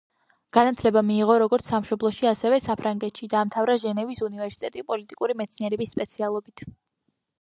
განათლება მიიღო როგორც სამშობლოში, ასევე საფრანგეთში, დაამთავრა ჟენევის უნივერსიტეტი პოლიტიკური მეცნიერების სპეციალობით.